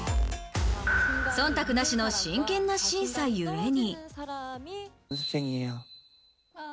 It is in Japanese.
忖度なしの真剣な審査ゆえに。